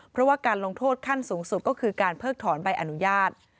เพราะว่าการลงโทษขั้นสูงสุดก็คือการเพิกถอนใบอนุญาต